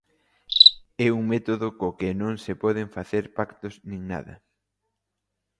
É un método co que non se poden facer pactos nin nada.